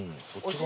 そう。